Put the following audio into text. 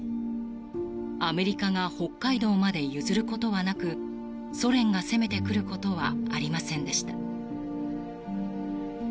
アメリカが北海道まで譲ることはなくソ連が攻めてくることはありませんでした。